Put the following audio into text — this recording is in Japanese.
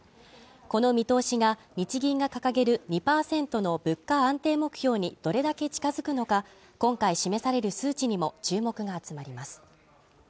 この見通しが日銀が掲げる２％の物価安定目標にどれだけ近づくのか、今回示される数値にも注目が集まります。